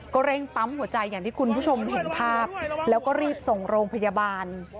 เร่งปั๊มหัวใจอย่างที่คุณผู้ชมเห็นภาพแล้วก็รีบส่งโรงพยาบาล